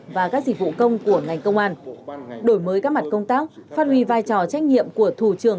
và các dịch vụ công của ngành công an đổi mới các mặt công tác phát huy vai trò trách nhiệm của thủ trưởng